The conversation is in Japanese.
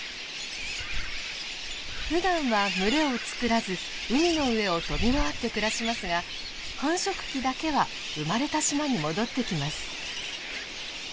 ふだんは群れを作らず海の上を飛び回って暮らしますが繁殖期だけは生まれた島に戻ってきます。